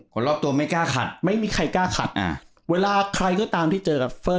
คนรอบตัวไม่กล้าขัดไม่มีใครกล้าขัดอ่าเวลาใครก็ตามที่เจอกับเฟอร์